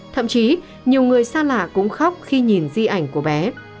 thậm chí nhiều người xa lạ cũng khóc khi nhìn di ảnh của bé